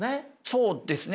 そうですね。